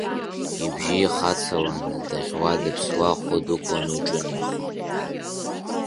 Ибжьы ихацаланы, даӷьуа-дыԥсуа ахәы дықәланы иҿынеихон.